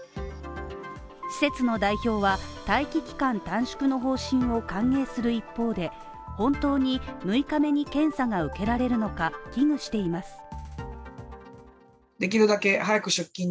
施設の代表は待機期間短縮の方針を歓迎する一方で、本当に６日目に検査が受けられるのか危惧しています。